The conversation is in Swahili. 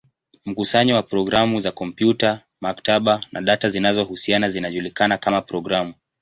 Mkusanyo wa programu za kompyuta, maktaba, na data zinazohusiana zinajulikana kama programu.